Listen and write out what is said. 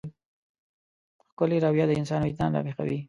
ښکلې رويه د انسان وجدان راويښوي.